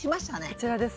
こちらですね。